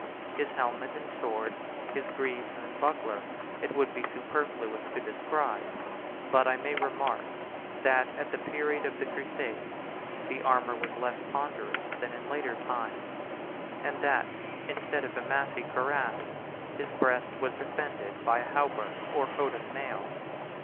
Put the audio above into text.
His helmet and sword, his greaves and buckler, it would be superfluous to describe; but I may remark, that, at the period of the crusades, the armor was less ponderous than in later times; and that, instead of a massy cuirass, his breast was defended by a hauberk or coat of mail.